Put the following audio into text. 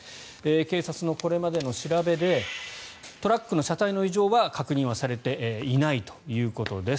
警察のこれまでの調べでトラックの車体の異常は確認はされていないということです。